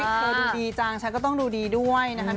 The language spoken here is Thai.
เธอดูดีจังฉันก็ต้องดูดีด้วยนะครับ